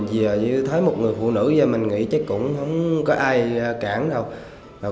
giờ thấy một người phụ nữ ra mình nghĩ chắc cũng không có ai cản đâu